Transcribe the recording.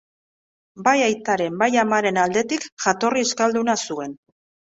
Bai aitaren bai amaren aldetik jatorri euskalduna zuen.